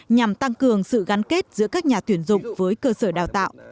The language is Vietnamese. nhằm tăng cường sự gắn kết giữa các nhà tuyển dụng với cơ sở đào tạo